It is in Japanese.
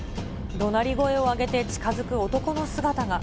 どなり声を上げて近づく男の姿が。